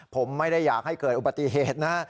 ผมไม่ได้อยากให้เกิดอุบัติเหตุนะ